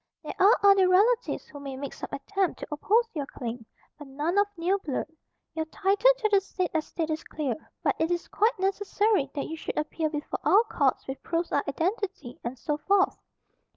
"There are other relatives who may make some attempt to oppose your claim; but none of near blood. Your title to the said estate is clear; but it is quite necessary that you should appear before our Courts with proofs of identity, and so forth.